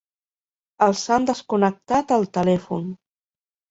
Els han desconnectat el telèfon.